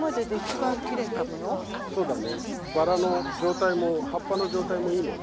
バラの状態も葉っぱの状態もいいもんね。